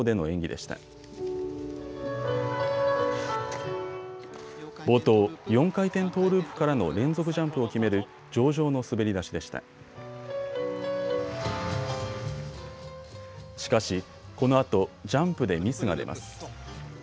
しかし、このあとジャンプでミスが出ます。